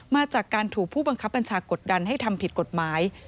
มาจากการถูกผู้บังคับบัญชากดดันให้ทำผิดกฎหมาย